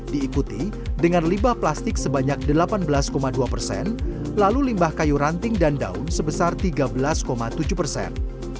diikuti dengan limbah plastik sebanyak delapan belas dua persen lalu limbah kayu ranting dan daun sebesar tiga belas tujuh persen